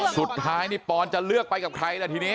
สุดท้ายปอนนี่จะเลือกไปกับใครนะทีนี้